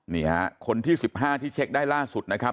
นี่ฮะคนที่๑๕ที่เช็คได้ล่าสุดนะครับ